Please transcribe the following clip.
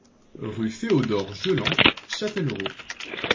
Rue Féodor Jelenc, Châtellerault